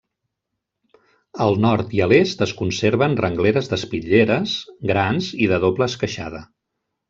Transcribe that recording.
Al nord i a l'est es conserven rengleres d'espitlleres, grans i de doble esqueixada.